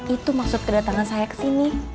itu maksud kedatangan saya kesini